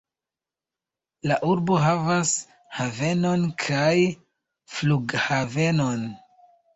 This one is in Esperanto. La urbo havas havenon kaj flughavenon.